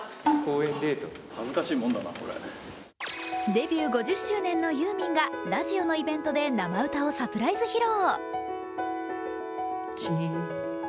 デビュー５０周年のユーミンがラジオのイベントで生歌をサプライズ披露。